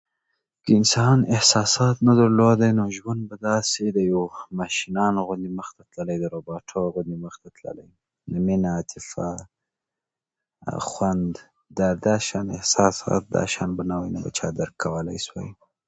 انسان احساسات نه درلودی، نو ژوند به داسې د ماشینانو غوندې مخته تللی او د روباټو غوندې مخته تللی. مینه، عاطفه، عهه، خوند او دا شان احساسات به چا نشوی درک کولای.